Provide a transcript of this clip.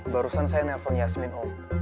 barusan saya nelfon yasmin oh